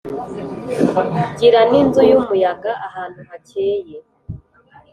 (gira n'inzu y'umuyaga), ahantu hakeye,